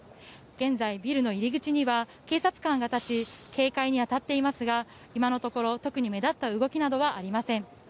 現在、ビルの入り口には警察官が立ち警戒に当たっていますが今のところ特に目立った動きなどはありません。